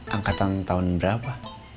angkatan tahun berapa